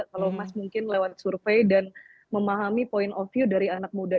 kalau mas mungkin lewat survei dan memahami point of view dari anak muda